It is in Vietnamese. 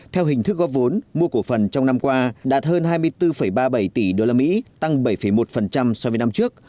theo hình thức góp vốn mua cổ phần trong năm qua đạt hơn hai mươi bốn ba mươi bảy tỷ usd tăng bảy một so với năm trước